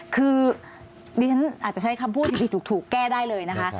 คือดิฉันอาจจะใช้คำพูดผิดถูกแก้ได้เลยนะคะ